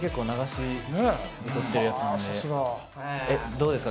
どうですか？